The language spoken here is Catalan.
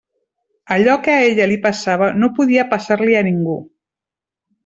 Allò que a ella li passava no podia passar-li a ningú.